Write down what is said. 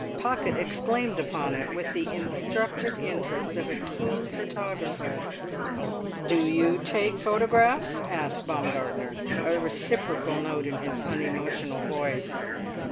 Pocket exclaimed upon it with the instructed interest of a keen photographer. "Do you take photographs?" asked Baumgartner, a reciprocal note in his unemotional voice.